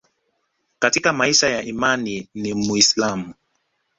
Katika maisha ya imani ni Muislamu